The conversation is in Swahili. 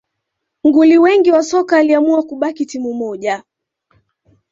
Nguli wengi wa soka waliamua kubaki timu moja